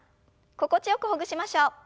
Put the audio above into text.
心地よくほぐしましょう。